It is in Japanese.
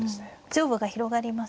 上部が広がりますし。